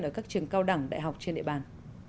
ở các trường cao đẳng đại học trên địa bàn